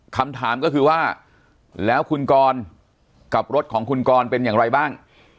คำถามก็คือว่าแล้วคุณกรกับรถของคุณกรเป็นอย่างไรบ้าง